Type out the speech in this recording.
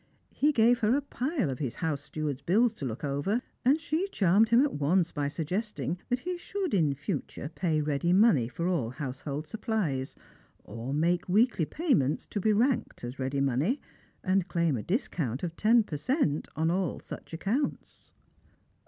He gave her a pile of his house steward's bills to look over, and she charmed him at once by suggesting that he should, in future, pay ready money for all household supplies — or make weekly payments, to be ranked as ready money — and claim a discount of ten percent n all such accounts.